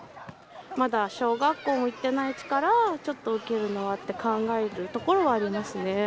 まだ小学校も行ってないうちから、ちょっと受けるのはっていうのは考えるところはありますね。